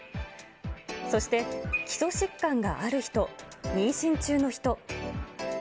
そして基礎疾患がある人、妊娠中の人。